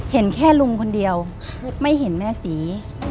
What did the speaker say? เห็นแค่ลุงคนเดียวไม่เห็นแม่ศรี